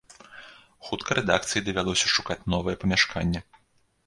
Хутка рэдакцыі давялося шукаць новае памяшканне.